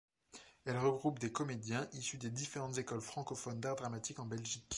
Elle regroupe des comédiens, issus des différentes écoles francophones d’art dramatique en Belgique.